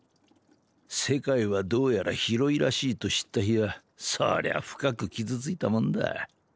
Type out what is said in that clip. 世界はどうやら広いらしいと知った日はそりゃ深く傷ついたもんだ。